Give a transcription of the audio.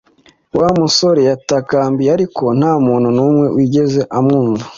Wa musore yatakambiye ariko nta muntu numwe wigeze amwumva